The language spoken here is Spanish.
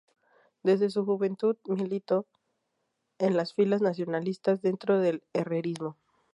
Desde su juventud militó en filas nacionalistas, dentro del Herrerismo.